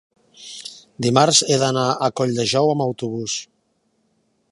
dimarts he d'anar a Colldejou amb autobús.